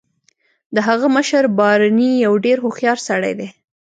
د هغه مشر بارني یو ډیر هوښیار سړی دی